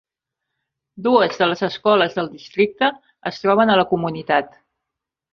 Dues de les escoles del districte es troben a la comunitat.